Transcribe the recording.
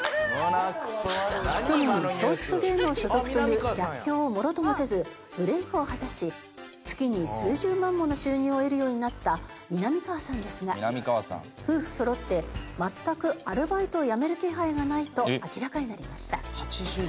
去年松竹芸能所属という逆境を物ともせずブレイクを果たし月に数十万もの収入を得るようになったみなみかわさんですが夫婦そろって全くアルバイトを辞める気配がないと明らかになりました。